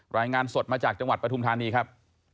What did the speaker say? รายงานสดมาจากจังหวัดปฐุมธานีครับ